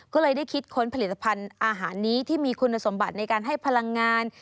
ก็เลยได้คิดค้นผลิตภัณฑ์อาหารนี้ที่มีคุณสมบัติในการให้พลังงาน